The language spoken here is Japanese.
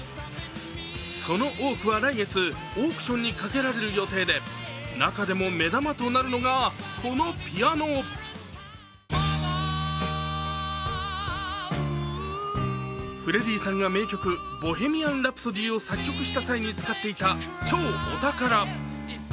その多くは来月、オークションにかけられる予定で中でも目玉となるのが、このピアノフレディ・さんが名曲「ボヘミアン・ラプソディ」を作曲した際に使っていた、超お宝。